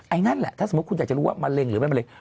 นั่นแหละถ้าสมมุติคุณอยากจะรู้ว่ามะเร็งหรือเป็นมะเร็ง